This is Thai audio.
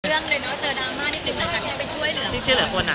เจอดราม่านิดนึงแล้วจะช่วยเหลือหรือเปล่า